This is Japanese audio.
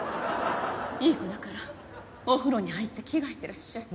いい子だからお風呂に入って着替えてらっしゃい。